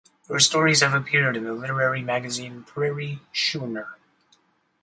Her stories have appeared in the literary magazine Prairie Schooner.